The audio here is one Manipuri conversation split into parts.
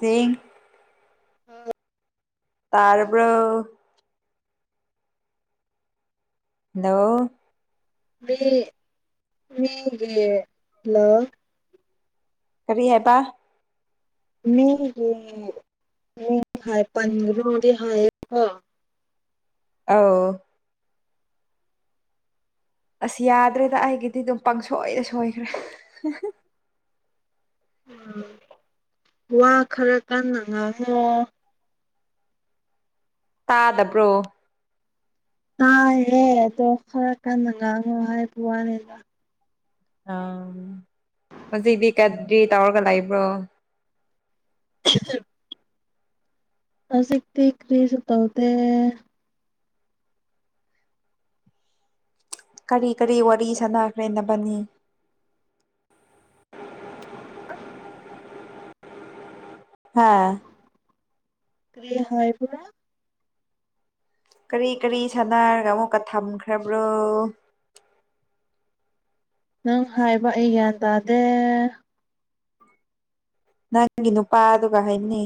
ꯍꯌ‌ꯦꯡ ꯑ ꯇꯥꯔꯕ꯭ꯔ‌ꯣ ꯍꯜꯂꯣ ꯃꯤ ꯃꯤꯒꯤ ꯍꯜꯂ‌ꯣ ꯀꯔꯤ ꯍꯥꯏꯕ ꯃꯤꯒꯤ ꯃꯤ ꯍꯥꯏ ꯄꯟꯔꯣ ꯍꯥꯏꯌ‌ꯦꯀ‌ꯣ ꯑ ꯑꯁ ꯌꯥꯗ꯭ꯔꯦꯗ ꯑꯩꯒꯤꯗꯤ ꯑꯗꯨꯝ ꯄꯪꯁꯣꯏꯗ ꯁꯣꯏꯈ꯭ꯔꯦ ꯎꯝ ꯋꯥ ꯈꯔ ꯀꯟꯅ ꯉꯥꯡꯉꯣ ꯇꯥꯗꯕ꯭ꯔꯣ ꯑꯥ ꯑꯦꯗꯣ ꯈꯔ ꯀꯥꯟꯗꯪꯉ ꯋꯥꯔ ꯄꯋꯥꯅꯤꯗ ꯑ ꯍꯧꯖꯤꯛꯗꯤ ꯀꯗ꯭ꯔꯤ ꯇꯧꯔꯒ ꯂꯩ ꯂꯩꯕ꯭ꯔꯣ ꯁꯤꯆ [inaudible] ꯍꯧꯖꯤꯛꯇꯤ ꯀꯔꯤꯁꯨ ꯇꯧꯗ‌ꯦ ꯀꯔꯤ ꯀꯔꯤ ꯋꯥꯔꯤ ꯁꯥꯟꯅꯈ꯭ꯔꯦꯅꯕꯅꯤ ꯍꯥꯥ ꯀꯔꯤ ꯍꯥꯏꯕ ꯀꯔꯤ ꯀꯔꯤ ꯁꯥꯟꯅꯔꯒ ꯑꯃꯨꯛꯀ ꯊꯝꯈ꯭ꯔꯕ꯭ꯔꯣ ꯅꯪ ꯍꯥꯏꯕ ꯑꯩ ꯒ꯭ꯌꯥꯟ ꯇꯥꯗꯦ ꯅꯪꯒꯤ ꯅꯨꯄꯥꯗꯨꯒ ꯍꯥꯏꯅꯤ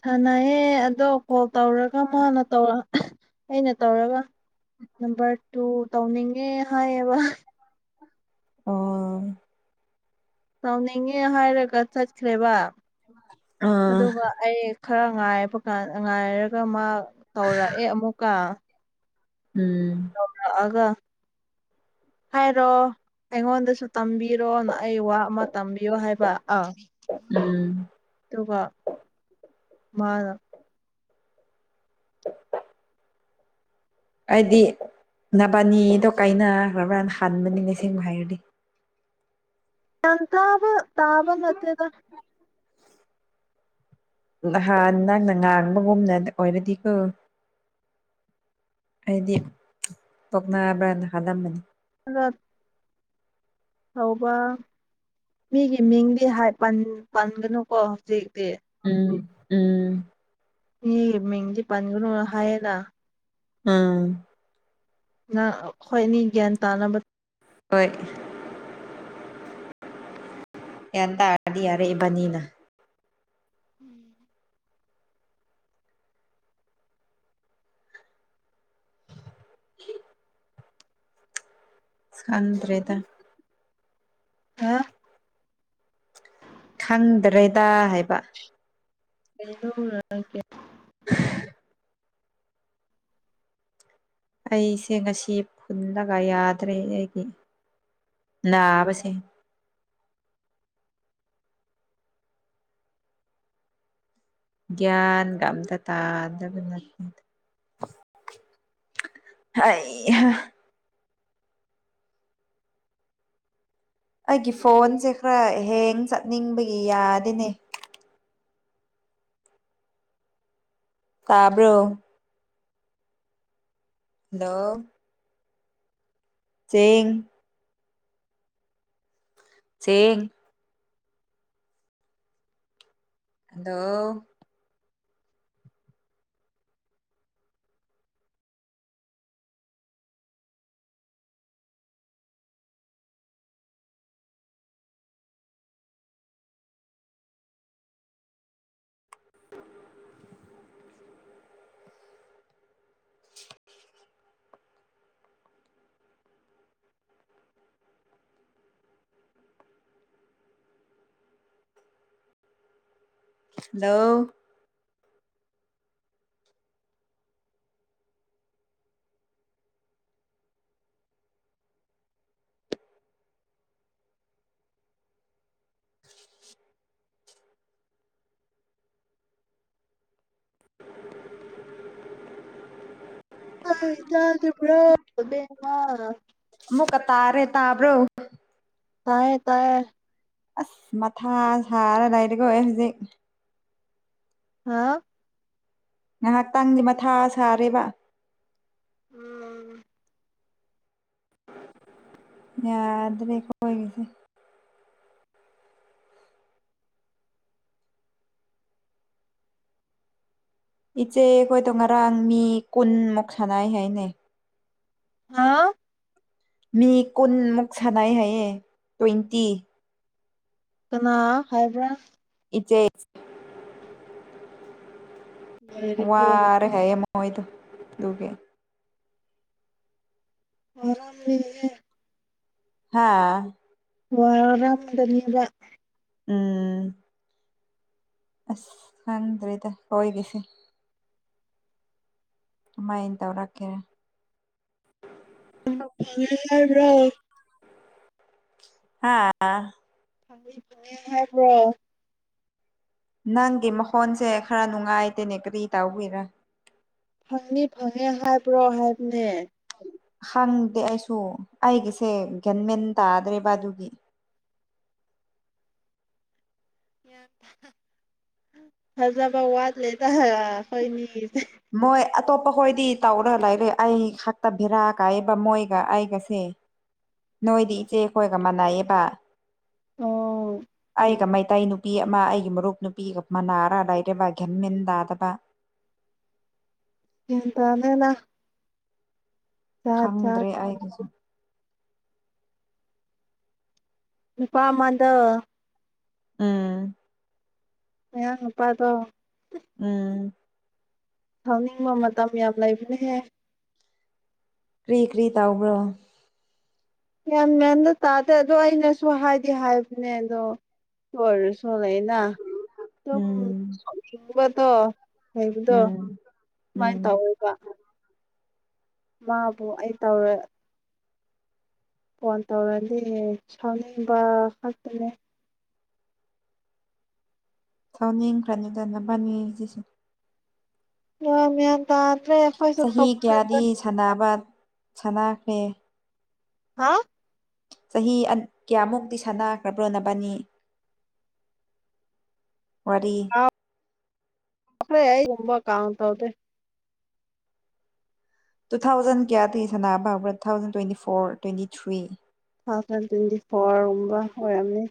ꯁꯥꯟꯅꯩꯌꯦ ꯑꯗꯣ ꯀꯣꯜ ꯇꯧꯔꯒ ꯃꯥꯅ ꯇꯧꯔ ꯑꯩꯅ ꯇꯧꯔꯒ [unintelligible] ꯍꯥꯏꯌꯦꯕ ꯑꯣ ꯇꯧꯅꯤꯡꯉꯦ ꯍꯥꯏꯔꯒ ꯆꯠꯈ꯭ꯔꯦꯕ ꯑꯥ ꯑꯗꯨꯒ ꯑꯩ ꯈꯔ ꯉꯥꯏꯔꯕꯀꯥꯟ ꯉꯥꯏꯔꯒ ꯃꯥ ꯇꯧꯔꯛ ꯑꯦ ꯑꯃꯨꯛꯀ ꯎꯝ ꯇꯧꯔꯛ ꯑꯒ ꯍꯥꯏꯔꯣ ꯑꯩꯉꯣꯟꯗꯁꯨ ꯇꯝꯕꯤꯔꯣ ꯑꯩ ꯋꯥ ꯑꯃ ꯇꯝꯕꯤꯌꯣ ꯍꯥꯏꯕ ꯑꯥ ꯎꯝ ꯑꯗꯨꯒ ꯃꯥꯅ [inaudible] ꯑꯩꯗꯤ ꯅꯕꯥꯅꯤꯗꯣ ꯀꯥꯏꯅꯈ꯭ꯔꯕꯅ ꯍꯟꯥꯟꯕꯅꯤ ꯁꯦꯡꯕ ꯍꯥꯏꯔꯗꯤ [unintelligible] ꯇꯥꯕ ꯇꯥꯕ ꯅꯠꯇꯦꯗ ꯅꯍꯥꯟ ꯅꯪꯅ ꯉꯥꯡꯕꯒꯨꯝꯅ ꯑꯣꯏꯔꯗꯤꯀꯣ ꯍꯥꯏꯗꯤ ꯇꯣꯛꯅꯕꯅ ꯍꯥꯜꯂꯝꯃꯅꯤ ꯑ ꯍꯧꯕ ꯃꯤꯒꯤ ꯃꯤꯡꯗꯤ ꯄꯟꯒꯅꯨꯀꯣ ꯍꯧꯖꯤꯛꯇꯤ ꯎꯝ ꯎꯝ ꯌꯦ ꯃꯤꯡꯗꯤ ꯄꯟꯒꯅꯨ ꯍꯥꯏꯌꯦꯅ ꯑꯝ ꯈꯣꯏꯅꯤ ꯒ꯭ꯌꯥꯟ ꯇꯥꯅꯕ ꯍꯣꯏ ꯒꯌ꯭ꯟ ꯇꯥꯔꯗꯤ ꯌꯥꯔꯦ ꯏꯕꯥꯅꯤꯅ [inaudible] ꯁ ꯈꯪꯗ꯭ꯔꯦꯗ ꯍꯥ ꯈꯪꯗ꯭ꯔꯦꯗ ꯍꯥꯏꯕ ꯑꯦꯣ ꯂꯅꯥ ꯀꯦ [inaudible] ꯑꯩꯁꯦ ꯉꯁꯤ ꯐꯨꯜꯂꯒ ꯌꯥꯗ꯭ꯔꯦ ꯑꯩꯒꯤ ꯅꯥꯕꯁꯦ ꯒ꯭ꯌꯥꯟꯒ ꯑꯝꯇ ꯇꯥꯗꯕ ꯅꯠꯇꯦ ꯍꯩ ꯍꯥ ꯑꯩꯒꯤ ꯐꯣꯟꯁꯦ ꯈꯔ ꯍꯦꯡ ꯆꯠꯅꯤꯡꯕꯒꯤ ꯌꯥꯗꯦꯅꯦ ꯇꯥꯕ꯭ꯔꯣ ꯍꯜꯂꯣ ꯆꯦꯡ ꯁꯦꯡ ꯍꯜꯂꯣ ꯍꯜꯂꯣ [inaudible] ꯇꯥꯗꯕ꯭ꯔꯣ ꯑꯕꯦꯝꯃ ꯃꯨꯛꯀ ꯇꯥꯔꯦ ꯇꯥꯕ꯭ꯔꯣ ꯇꯥꯏꯌꯦ ꯇꯥꯏꯌꯦ ꯑꯁ ꯃꯊꯥ ꯁꯥꯔ ꯂꯩꯔꯦꯀꯣ ꯑꯩ ꯍꯧꯖꯤꯛ ꯍꯥꯥ ꯉꯥꯏꯍꯥꯛꯇꯪꯗꯤ ꯃꯊꯥ ꯁꯥꯔꯦꯕ ꯎꯝ ꯌꯥ ꯗꯔꯦꯀꯣ ꯑꯩꯒꯤꯁꯦ ꯏꯆꯦ ꯑꯩꯈꯣꯏꯗꯣ ꯉꯔꯥꯡ ꯃꯤ ꯀꯨꯟꯃꯨꯛ ꯁꯥꯟꯅ ꯍꯥꯏꯅꯩ ꯍꯥꯥ ꯃꯤ ꯀꯨꯟꯃꯨꯛ ꯁꯥꯟꯅꯩ ꯍꯥꯏꯌꯦ ꯇ꯭ꯋꯦꯟꯇꯤ ꯀꯅꯥ ꯍꯥꯏꯕ꯭ꯔꯥ ꯏꯆꯦ ꯂꯣꯏꯔꯦꯀꯣ ꯋꯥꯔ ꯍꯥꯏꯌꯦ ꯍꯣꯏꯗ ꯂꯒꯦ ꯑꯔꯝ ꯂꯩꯦ ꯍꯥꯥ ꯋꯥꯔꯗꯗ ꯎꯝ ꯑꯁ ꯈꯪꯗ꯭꯭ꯔꯔꯤꯗ ꯑꯣꯏꯣꯏꯒꯤꯁꯤꯦ ꯀꯃꯥꯏꯅ ꯇꯧꯔꯛꯀꯦ ꯌꯥꯕ꯭ꯔꯣ ꯍꯥꯥ ꯐ ꯍꯥꯏꯕ꯭ꯔꯣ ꯅꯪꯒꯤ ꯃꯈꯣꯟꯁꯦ ꯈꯔ ꯅꯨꯡꯉꯥꯏꯗꯦꯅꯦ ꯀꯔꯤ ꯇꯥꯎꯕꯤꯔꯥ ꯐꯪꯅꯤ ꯐꯪꯉꯦ ꯍꯥꯏꯕ꯭ꯔꯣ ꯍꯥꯏꯕꯅꯦ ꯍꯪꯗꯦ ꯑꯩꯁꯨ ꯑꯩꯒꯤꯁꯦ ꯒꯦꯟꯃꯦꯟ ꯇꯥꯗ꯭ꯔꯦ ꯕ ꯑꯗꯨꯒꯤ ꯍꯖꯕ ꯋꯥꯗ ꯂꯩꯇꯥ ꯍ ꯍꯣꯏꯅꯤ ꯃꯣꯏ ꯑꯇꯣꯞꯄ ꯍꯣꯏꯗꯤ ꯇꯧꯔ ꯂꯥꯏꯛꯦ ꯑꯩ ꯈꯛꯇ ꯚꯦꯔꯥ ꯀꯥꯏꯑꯕ ꯃꯣꯏꯒ ꯑꯩꯒꯁꯦ ꯅꯣꯏꯗꯤ ꯏꯆꯦꯈꯣꯏꯒ ꯃꯥꯟꯅꯩꯌꯦꯕ ꯑꯣ ꯑꯩꯒ ꯃꯩꯇꯩ ꯅꯨꯄꯤ ꯑꯃ ꯑꯩꯒꯤ ꯃꯔꯨꯞ ꯅꯨꯄꯤꯒ ꯃꯅꯥꯔ ꯂꯥꯏꯔꯕ ꯒꯟꯃꯦꯟ ꯇꯥꯗꯕ ꯍꯇꯅꯅ ꯈꯪꯗ꯭ꯔꯦ ꯑꯩꯒꯤꯁꯨ ꯏꯄꯥꯃꯗ ꯎꯝ ꯃꯍ ꯅꯨꯄꯥꯗꯣ ꯎꯝ ꯊꯥꯎꯅꯤꯡꯕ ꯃꯇꯝ ꯌꯥꯝ ꯂꯩꯕꯅꯦꯍꯦ ꯀ꯭ꯔꯤ ꯀ꯭ꯔꯤ ꯇꯥꯎꯕ꯭ꯔꯣ ꯌꯥꯝ ꯃꯌꯥꯗ ꯇꯥꯗꯦ ꯑꯗꯣ ꯑꯩꯅꯁꯨ ꯍꯥꯏꯗꯤ ꯍꯥꯏꯕꯅꯦ ꯑꯗꯣ ꯂꯣꯏꯔꯁꯨ ꯂꯩꯅ ꯍ ꯎꯝ ꯕꯗꯣ ꯂꯩꯕꯗꯣ ꯎꯝ ꯁꯨꯃꯥꯏꯅ ꯎꯝ ꯇꯧꯋꯦꯕ ꯃꯥꯕꯨ ꯑꯩ ꯇꯧꯔꯦ ꯐꯣꯟ ꯇꯧꯔꯗꯤ ꯁꯥꯎꯅꯤꯡꯕ ꯈꯛꯇꯅꯦ ꯊꯧꯅꯤꯡꯈ꯭ꯔꯅꯤꯗꯚꯅꯤꯁꯤꯁ ꯑ ꯃ ꯇ ꯆꯍꯤ ꯀꯌꯥꯗꯤ ꯁꯥꯟꯅꯕ ꯁꯅꯥꯈ꯭ꯔꯦ ꯍꯥ ꯆꯍꯤ ꯀꯌꯥꯃꯨꯛꯇꯛꯇꯤ ꯁꯥꯟꯅꯈ꯭ꯔꯕ꯭ꯔꯣ ꯅꯕꯅꯤ ꯋꯥꯔꯤ ꯄꯈ꯭ꯔꯦ ꯌꯨꯝꯝꯕ ꯀꯥꯎꯇꯧꯗꯦ ꯇꯨ ꯊꯥꯎꯖꯟ ꯀꯌꯥꯗꯒꯤ ꯁꯅꯥꯕꯕ꯭ꯔꯥ two thousand twenty four twenty three two thousand twenty ꯐꯣꯔꯒꯨꯝꯕ ꯑꯣꯏꯔꯝꯅꯤ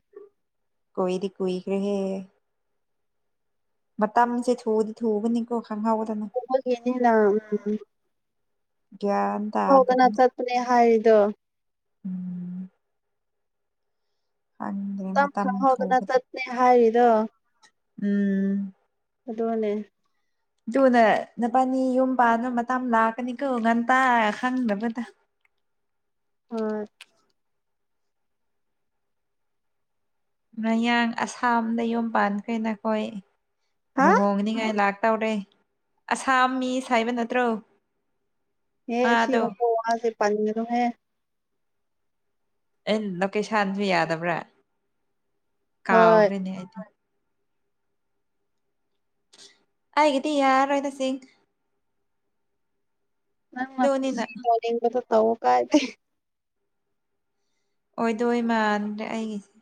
ꯀꯣꯏꯗꯤ ꯀꯏ ꯀ ꯔꯦ ꯃꯇꯝꯁꯦ ꯊꯨꯗꯤ ꯊꯨꯕꯅꯤꯀꯣ ꯈꯪꯍꯧꯗꯅ ꯎꯃ ꯌꯦꯅ ꯂ ꯒ꯭ꯌꯥꯟ ꯍꯧꯗꯅ ꯇꯥꯗꯕꯅꯤ ꯆꯠꯄꯅꯦ ꯍꯥꯏꯔꯤꯗꯣ ꯎꯝ [inaudible] ꯈꯪꯗ꯭ꯔꯦ ꯇꯝ ꯃꯇꯝ ꯈ ꯍꯒꯅ ꯊꯨꯕꯗꯣ ꯇꯠꯅꯦ ꯍꯥꯏ ꯗ ꯎꯝ ꯑꯗꯨꯗꯅꯦꯦ ꯊꯨꯅ ꯅꯨꯄꯥꯅꯤ ꯌꯨꯝ ꯄꯥꯅ ꯃꯇꯝ ꯂꯥꯛꯀꯅꯤꯀꯣ ꯉꯥꯟꯇꯥ ꯈꯪꯗꯕꯗ ꯍꯣꯏ ꯃꯌꯥꯡ ꯑꯁꯥꯝꯗ ꯌꯨꯝ ꯄꯥꯟꯈ꯭ꯔꯦ ꯅꯈꯣꯏ ꯍꯥ ꯂꯨꯍꯣꯡ ꯅꯤꯉꯏ ꯂꯥꯛ ꯇꯧꯔꯦ ꯑꯁꯥꯝ ꯃꯤ ꯁ ꯍꯥꯏꯕ ꯅꯠꯇ꯭ꯔꯣ ꯑꯦꯦ ꯃꯥꯗꯣ ꯁꯤꯨꯝꯣ ꯋꯥꯁꯦ ꯄꯣ ꯍ ꯑꯦ ꯂꯣꯀꯦꯁꯥꯟꯁꯨ ꯌꯥꯗꯕ꯭ꯔꯥ ꯀꯥꯎ ꯍꯣꯏ ꯍꯦꯅꯦꯗꯤ ꯍꯥꯏꯒꯗꯤ ꯌꯥ ꯔꯣꯏꯗꯁꯤꯡ ꯑꯗꯨꯅꯤꯅ ꯅꯁꯤ ꯇ ꯇ ꯀꯥꯏ ꯊ ꯑꯣꯏꯗꯣꯏ ꯃꯥꯟ꯭ꯔꯦ ꯑꯩꯒꯤꯁꯦ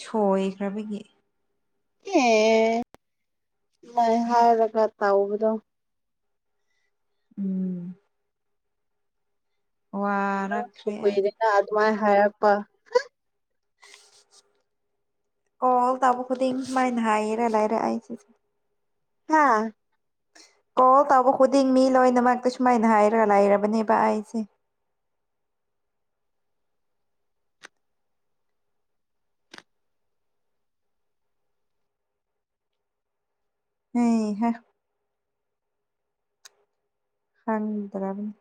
ꯁꯣꯏꯈ꯭ꯔꯕꯒꯤ ꯑꯦ ꯃ ꯍꯥꯏꯔꯒ ꯇꯕꯗꯣ ꯎꯝ ꯋꯥꯔꯛꯈ꯭ꯔꯦ ꯑꯩ ꯑꯗꯅ ꯑꯗꯨ ꯃꯥꯥꯏ ꯍꯥꯏꯄ ꯑꯣ ꯇꯕꯨ ꯈꯨꯗꯤ ꯃꯥꯏ ꯃꯍꯥꯏꯔ ꯂꯥꯏꯔꯁ ꯍꯥꯥ ꯀꯣꯜ ꯇꯧꯕ ꯈꯨꯗꯤꯡ ꯃꯤ ꯂꯣꯏꯅꯃꯛꯇ ꯁꯨꯃꯥꯏꯅ ꯍꯥꯏꯔꯒ ꯂꯩꯔꯕꯅꯦꯕ ꯑꯩꯁꯦ ꯍꯝ ꯍ ꯍꯥꯡ ꯇꯔꯥꯕꯅꯤ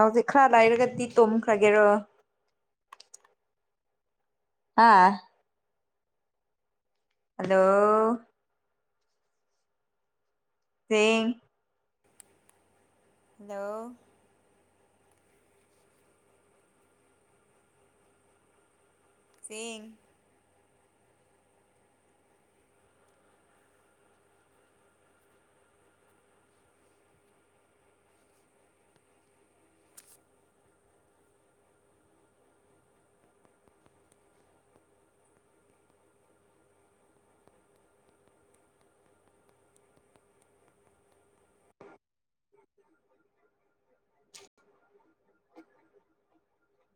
ꯍꯧꯖꯤꯛ ꯈꯔ ꯂꯩꯥꯏꯔꯒꯗꯤ ꯇꯣꯈ꯭ꯔꯒꯦꯔꯣ ꯑꯥ ꯍꯂꯣ ꯁ [unintelligible] ꯍꯜꯂꯣ ꯆ [unintelligible]